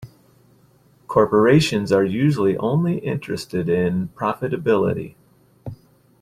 Corporations are usually only interested in profitability.